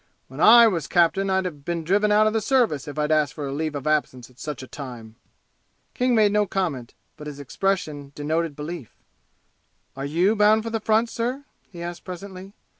When I was captain I'd have been driven out of the service if I'd asked for leave of absence at such a time!" King made no comment, but his expression denoted belief. "Are you bound for the front, sir?" he asked presently.